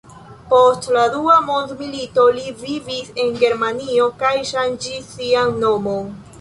Post la dua mondmilito li vivis en Germanio kaj ŝanĝis sian nomon.